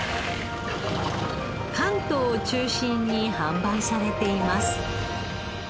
関東を中心に販売されています。